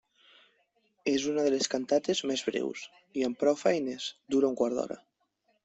És una de les cantates més breus i amb prou feines dura un quart d'hora.